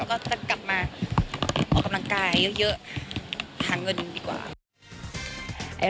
ก็จะกลับมาออกกำลังกายเยอะหาเงินดีกว่า